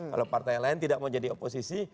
kalau partai lain tidak mau jadi oposisi